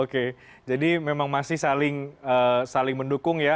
oke jadi memang masih saling mendukung ya